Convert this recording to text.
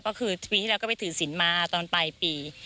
ก็คือปีที่แล้วก็ไปถือศิลป์มาตอนปลายปี